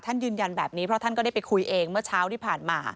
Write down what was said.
ยืนยันแบบนี้เพราะท่านก็ได้ไปคุยเองเมื่อเช้าที่ผ่านมา